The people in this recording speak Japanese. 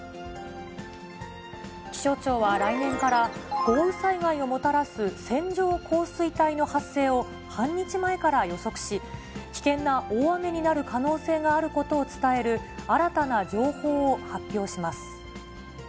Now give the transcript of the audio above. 気象庁は来年から、豪雨災害をもたらす線状降水帯の発生を、半日前から予測し、危険な大雨になる可能性があることを伝える、新たな情報を発表します。